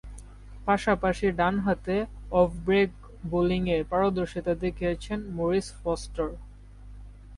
পাশাপাশি ডানহাতে off break বোলিংয়ে পারদর্শীতা দেখিয়েছেন মরিস ফস্টার।